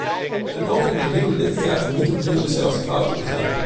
Wij mogen in de nieuwe lidstaten niet opnieuw dezelfde fouten begaan.